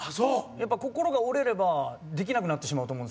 やっぱ心が折れればできなくなってしまうと思うんですけど。